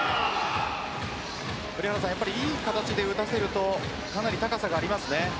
いい形で打たせるとかなり高さがありますね。